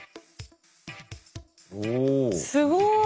すごい。